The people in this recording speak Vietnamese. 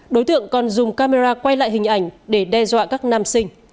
đối tượng còn dùng camera quay lại hình ảnh để đe dọa các nam sinh